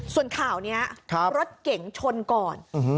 ส่วนข่าวเนี้ยครับรถเก่งชนก่อนอื้อฮือ